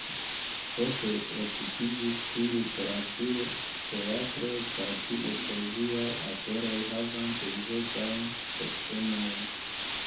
Poste li okupiĝis pri literaturo, teatroj kaj pri ekleziaj aferoj havanta diversajn postenojn.